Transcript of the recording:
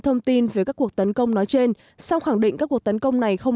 thông tin về các cuộc tấn công nói trên sau khẳng định các cuộc tấn công này không